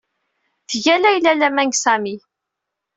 Tga Layla laman deg Sami.